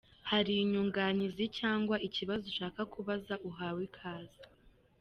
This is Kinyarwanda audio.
Hari inyunganizi cyangwa ikibazo ushaka kubaza uhawe ikaze !.